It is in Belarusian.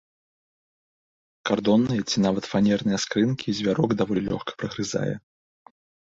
Кардонныя ці нават фанерныя скрынкі звярок даволі лёгка прагрызае.